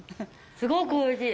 すごくおいしい！